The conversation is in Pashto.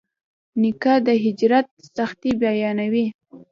نیکه د هجرت سختۍ بیانوي.